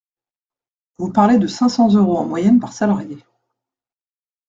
Vous parlez de cinq cents euros en moyenne par salarié.